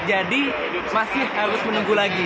jadi masih harus menunggu lagi